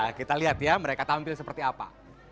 nah kita lihat ya mereka tampil seperti apa